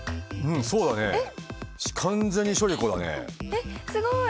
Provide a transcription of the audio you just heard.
えっすごい。